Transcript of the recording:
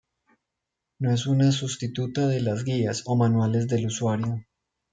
No es una sustituta de las guías o manuales del usuario.